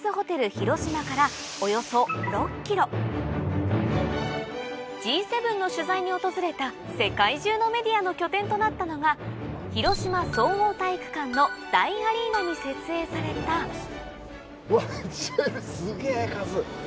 広島からＧ７の取材に訪れた世界中のメディアの拠点となったのが広島総合体育館のに設営されたうわっすげぇ数。